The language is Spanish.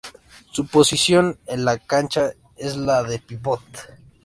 Su posición en la cancha es la de pívot.